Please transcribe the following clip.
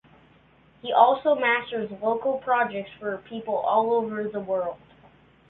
He also masters local projects for people all over the world.